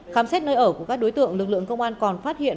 khám xét nơi ở của các đối tượng lực lượng công an còn phát hiện